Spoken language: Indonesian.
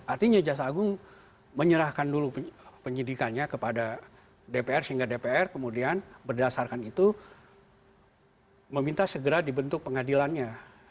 artinya jaksa agung menyerahkan dulu penyidikannya kepada dpr sehingga dpr kemudian berdasarkan itu meminta segera dibentuk pengadilannya